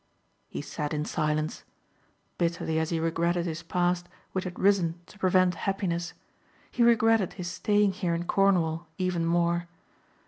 He sat in silence. Bitterly as he regretted his past which had risen to prevent happiness, he regretted his staying here in Cornwall even more.